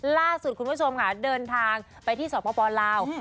ล่าสุดคุณผู้ชมค่ะเดินทางไปที่สปลาว